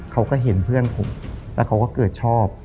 เขาก็เห็นเพื่อนผมแล้วเขาก็เกิดชอบ